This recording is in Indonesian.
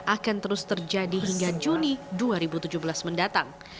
akan terus terjadi hingga juni dua ribu tujuh belas mendatang